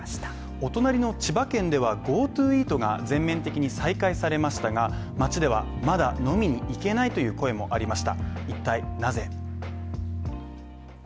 お隣の千葉県ではＧｏＴｏイートが全面的に再開されましたが、町ではまだ飲みに行けないという声もありました。